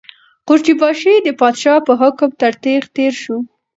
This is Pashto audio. قورچي باشي د پادشاه په حکم تر تېغ تېر شو.